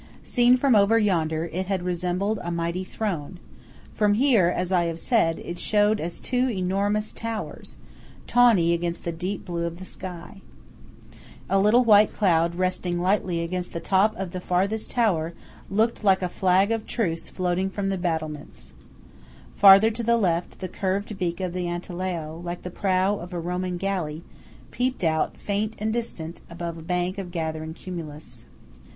Seen from over yonder, it had resembled a mighty throne; from here, as I have said, it showed as two enormous towers, tawny against the deep blue of the sky. A little white cloud resting lightly against the top of the farthest tower looked like a flag of truce floating from the battlements. Farther to the left, the curved beak of the Antelao, like the prow of a Roman galley, peeped out, faint and distant, above a bank of gathering cumulus.